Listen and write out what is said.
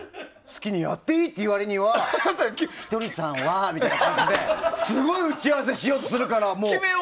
好きにやっていいって言うわりには、ひとりさんはみたいな感じで、すごい打ち合わせしようとするからもう。